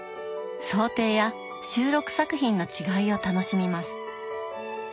装丁や収録作品の違いを楽しみます。